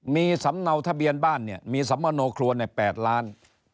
มีสำเนาทะเบียนบ้านเนี่ยมีสัมมโนครัวใน๘ล้าน